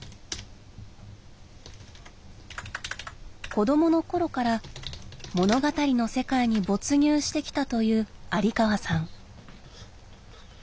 子供の頃から物語の世界に没入してきたという有川さん。